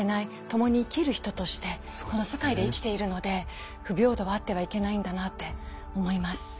ともに生きる人としてこの世界で生きているので不平等はあってはいけないんだなって思います。